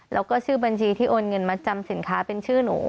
แล้วก็ชื่อบัญชีที่โอนเงินมาจำสินค้าเป็นชื่อหนู